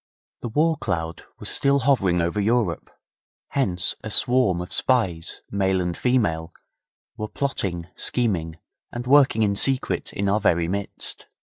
The war cloud was still hovering over Europe; hence a swarm of spies, male and female, were plotting, scheming, and working in secret in our very midst.